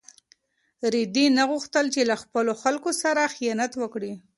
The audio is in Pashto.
رېدي نه غوښتل چې له خپلو خلکو سره خیانت وکړي.